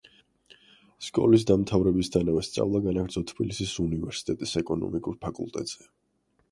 სკოლის დამთავრებისთანავე სწავლა განაგრძო თბილისის უნივერსიტეტის ეკონომიკურ ფაკულტეტზე.